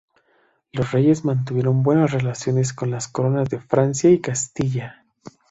Los reyes mantuvieron buenas relaciones con las coronas de Francia y Castilla.